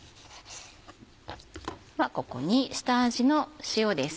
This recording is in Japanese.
ではここに下味の塩です。